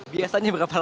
biasanya berapa lama